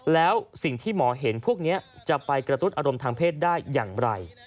แล้วสิ่งที่หมอเห็นพวกนี้จะไปกระตุ้นอารมณ์ทางเพศได้อย่างไร